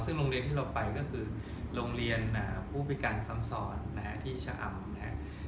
ซึ่งโรงเรียนที่เราไปก็คือโรงเรียนผู้พิการซ้ำซ้อนนะฮะที่ชะอำนะครับ